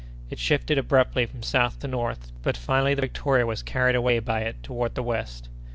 It shifted abruptly from south to north, but finally the Victoria was carried away by it toward the west.